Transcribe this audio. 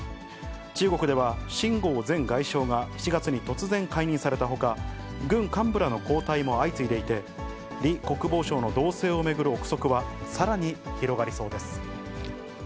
中国では、秦剛前外相が７月に突然解任されたほか、軍幹部らの交代も相次いでいて、李国防相の動静を巡る臆測は、さらに広がりそうです。